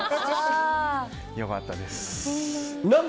良かったです。